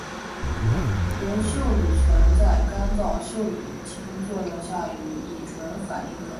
由溴乙醛在干燥溴化氢作用下与乙醇反应得到。